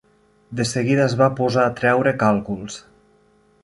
De seguida es va posar a treure càlculs